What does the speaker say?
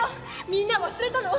みんな忘れたの？